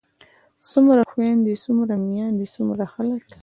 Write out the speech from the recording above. څومره خويندے څومره ميايندے څومره خلک